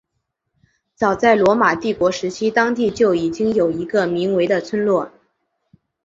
早在罗马帝国时期当地就已经有一个名为的村落。